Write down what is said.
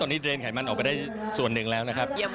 ตอนนี้เดรนไขมันออกไปได้ส่วนหนึ่งแล้วนะครับ